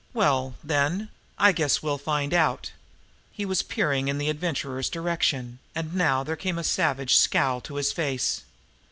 "Well, then, I guess we'll find out!" He was peering in the Adventurer's direction, and now there came a sudden savage scowl to his face.